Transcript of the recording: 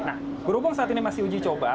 nah berhubung saat ini masih uji coba